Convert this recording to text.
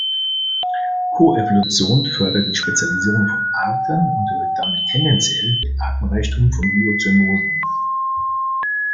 Koevolution fördert die Spezialisierung von Arten und erhöht damit tendenziell den Artenreichtum von Biozönosen.